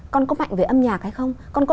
con có mạnh về âm nhạc hay không con có